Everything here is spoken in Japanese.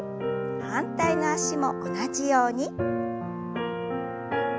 反対の脚も同じように。